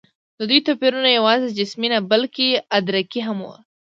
د دوی توپیرونه یواځې جسمي نه، بلکې ادراکي هم وو.